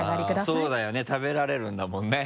そうだよね食べられるんだもんね